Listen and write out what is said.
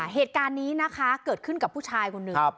เหตุการณ์นี้นะคะเกิดขึ้นกับผู้ชายคนหนึ่ง